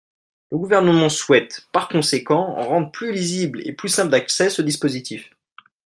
Le Gouvernement souhaite, par conséquent, rendre plus lisible et plus simple d’accès ce dispositif.